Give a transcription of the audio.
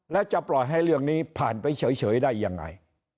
แล้วจะปล่อยให้เรื่องนี้ผ่านไปเฉยได้ยังไง